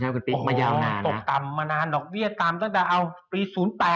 โอ้โหตกต่ำมานานดอกเบี้ยต่ำตั้งแต่ปี๒๐๐๘นะ